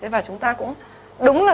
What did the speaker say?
và chúng ta cũng đúng là